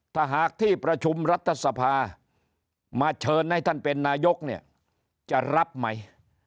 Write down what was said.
ถ้าหากที่ประชุมรัฐสภามาเชิญให้ท่านเป็นนายกเนี่ยจะรับไหม